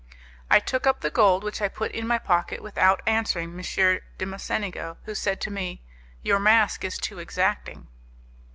I took up the gold, which I put in my pocket, without answering M. de Mocenigo, who said to me: "Your mask is too exacting."